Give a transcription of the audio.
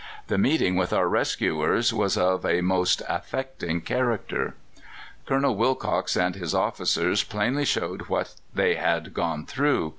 The meeting with our rescuers was of a most affecting character. "Colonel Willcocks and his officers plainly showed what they had gone through.